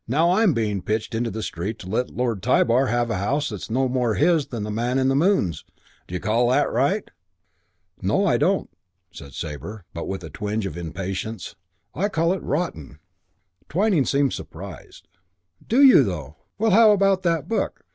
Now I'm being pitched into the street to let Lord Tybar have a house that's no more his than the man in the moon's. D'you call that right?" "No, I don't," said Sabre, but with a tinge of impatience. "I call it rotten." Twyning seemed surprised. "Do you, though? Well, how about that book?